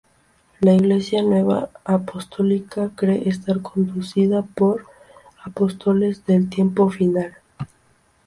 La Iglesia nueva apostólica cree estar conducida por Apóstoles del tiempo final.